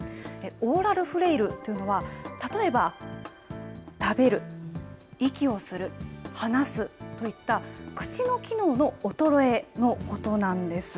オーラルフレイルというのは、例えば、食べる、息をする、話すといった、口の機能の衰えのことなんです。